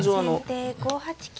先手５八金。